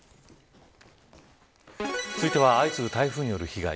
続いては相次ぐ台風による被害。